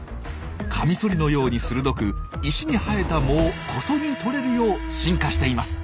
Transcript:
カミソリのように鋭く石に生えた藻をこそぎ取れるよう進化しています。